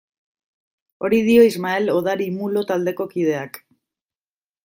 Hori dio Ismael Odari Mulo taldeko kideak.